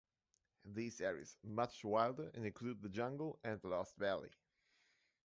These areas are much wilder and include the Jungle and the Lost Valley.